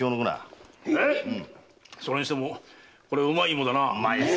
それにしてもうまいイモだな。